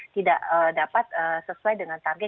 tidak dapat sesuai